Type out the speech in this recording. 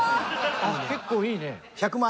あっ結構いいね。